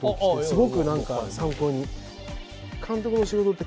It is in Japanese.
すごくなんか参考に。